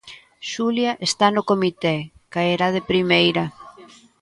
Xulia está no comité, caerá de primeira.